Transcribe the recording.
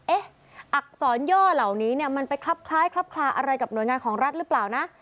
อักษรย่อเหล่านี้เนี่ยมันไปคลับคล้ายคลับคลาอะไรกับหน่วยงานของรัฐหรือเปล่านะ